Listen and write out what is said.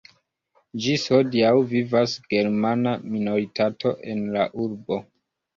Ĝis hodiaŭ vivas germana minoritato en la urbo.